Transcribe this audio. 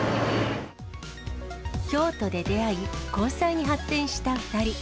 京都で出会い、交際に発展した２人。